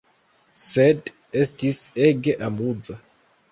Sed estis ege amuza.